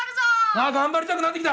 あっ頑張りたくなってきた！